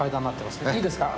いいですか？